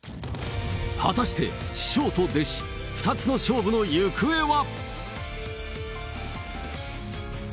果たして、師匠と弟子、２つの勝負の行方は。